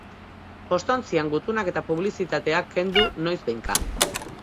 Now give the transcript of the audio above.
Postontzian gutunak eta publizitatea kendu noizbehinka.